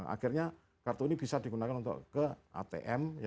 akhirnya kartu ini bisa digunakan untuk ke atm